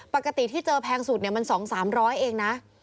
ปกติที่เจอแพงสุดมัน๒๓๐๐เองนะ